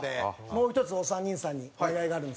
もう１つお三人さんにお願いがあるんですけど。